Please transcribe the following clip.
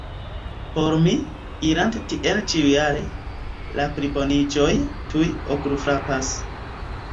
Por mi, iranta tien ĉiujare, la pliboniĝoj tuj okulfrapas.